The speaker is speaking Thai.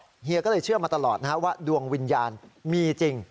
เนี่ยเหงียวก็ได้เชื่อมาตลอดนะครับว่าดวงวิญญาณมีจริง